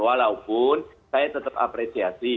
walaupun saya tetap apresiasi